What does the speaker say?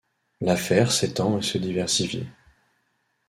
L'affaire s'étend et se diversifie.